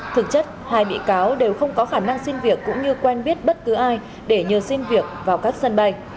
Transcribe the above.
thực chất hai bị cáo đều không có khả năng xin việc cũng như quen biết bất cứ ai để nhờ xin việc vào các sân bay